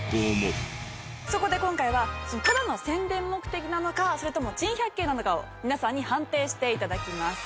そこで今回はただの宣伝目的なのかそれとも珍百景なのかを皆さんに判定して頂きます。